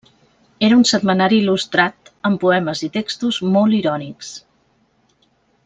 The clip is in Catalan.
Era un setmanari il·lustrat, amb poemes i textos molt irònics.